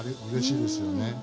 うれしいですよね。